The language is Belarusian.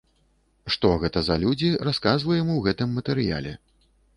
Што гэта за людзі, расказваем у гэтым матэрыяле.